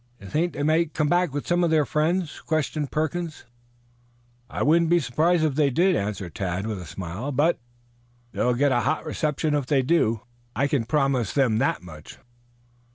"You think they may come back with some of their friends?" questioned Perkins. "I wouldn't be surprised if they did," answered Tad with a smile. "But they will get a hot reception if they do. I can promise them that much."